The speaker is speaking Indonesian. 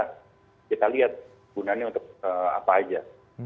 kita lihat gunanya untuk apa aja